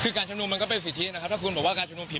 คือการชุมนุมมันก็เป็นสิทธินะครับถ้าคุณบอกว่าการชุมนุมผิด